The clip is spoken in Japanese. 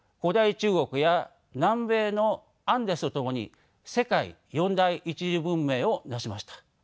中国や南米のアンデスと共に世界四大一次文明を成しました。